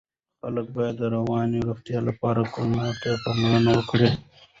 خلک باید د رواني روغتیا لپاره کولمو ته پاملرنه وکړي.